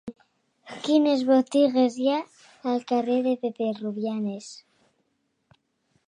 Quines botigues hi ha al carrer de Pepe Rubianes?